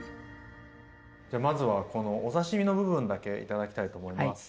まずはこのお刺身の部分だけ頂きたいと思います。